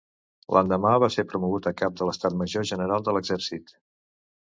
L'endemà va ser promogut a cap de l'estat major general de l'exèrcit.